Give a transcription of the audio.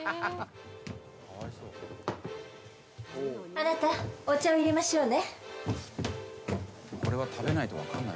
「あなたお茶を入れましょうね」